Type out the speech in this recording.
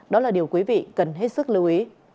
đó là điều quý vị cần hết sức lưu ý